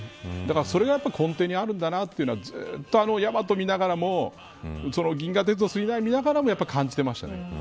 それが根底にあるんだなというのはずっとヤマトを見ながらも銀河鉄道９９９を見ながらも感じていましたね。